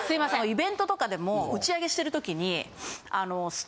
イベントとかでも打ち上げしてる時に。